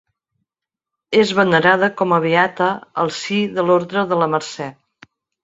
És venerada com a beata al si de l'Orde de la Mercè.